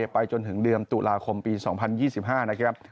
ไปจนถึงเดือนตุลาคมปี๒๐๒๕นะครับ